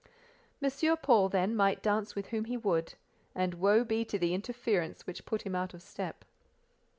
M. Paul, then, might dance with whom he would—and woe be to the interference which put him out of step.